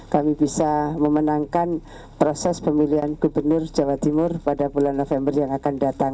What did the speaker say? kami bisa memenangkan proses pemilihan gubernur jawa timur pada bulan november yang akan datang